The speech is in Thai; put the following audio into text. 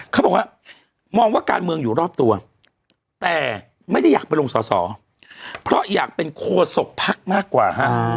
เขาบอกว่ามองว่าการเมืองอยู่รอบตัวแต่ไม่ได้อยากไปลงสอสอเพราะอยากเป็นโคศกภักดิ์มากกว่าฮะ